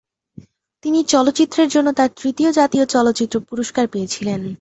তিনি চলচ্চিত্রটির জন্য তার তৃতীয় জাতীয় চলচ্চিত্র পুরস্কার পেয়েছিলেন।